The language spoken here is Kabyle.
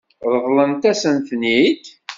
Ṛeḍlent-as-ten-id?